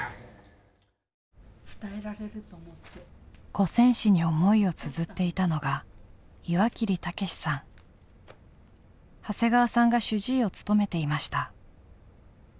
五線紙に思いをつづっていたのが長谷川さんが主治医を務めていました。